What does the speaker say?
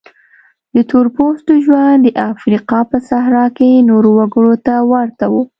د تور پوستو ژوند د افریقا په صحرا کې نورو وګړو ته ورته و.